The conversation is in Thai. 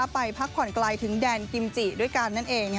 ไปพักผ่อนไกลถึงแดนกิมจิด้วยกันนั่นเอง